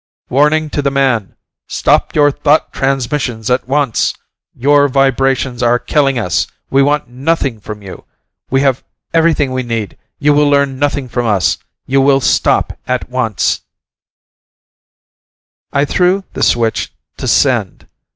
"Warning to the man. Stop your thought transmissions at once! Your vibrations are killing us. We want nothing from you. We have everything we need. You will learn nothing from us. You will stop at once!" I threw the switch to "send."